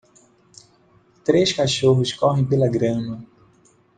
três cachorros correm pela grama.